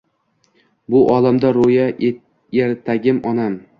Bu olamda rõyo ertagim onam